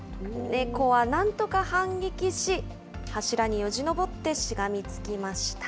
ネコはなんとか反撃し、柱によじ登ってしがみつきました。